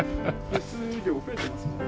輸出量増えてますもんね。